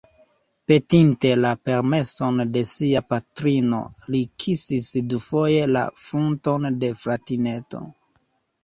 Petinte la permeson de sia patrino, li kisis dufoje la frunton de fratineto.